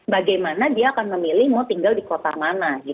bagaimana dia akan memilih mau tinggal di kota mana